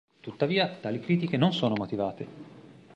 Tuttavia tali critiche non sono motivate.